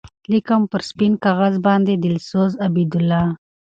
لیکم پر سپین کاغذ باندی دلسوز عبیدالله